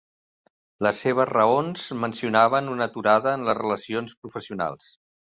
Les seves raons mencionaven "una aturada en les relacions professionals".